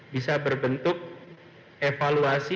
bisa berbentuk evaluasi